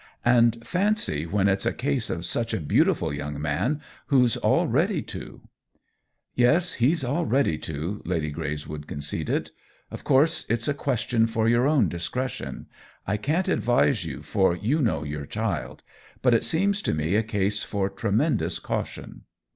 And fancy, when it's a case of such a beautiful young man who's all ready to !" "Yes, he's all ready to," Lady Greys wood conceded. "Of course it's a ques tion for your own discretion. I can't advise 32 THE WHEEL OF TIME you, for you know your child. But it seems to me a case for tremendous caution."